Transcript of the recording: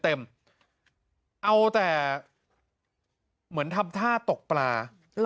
เอาแต่เหมือนทำท่าตกปลา